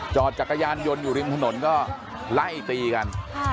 จักรยานยนต์อยู่ริมถนนก็ไล่ตีกัน